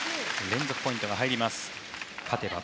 連続ポイントが入りました。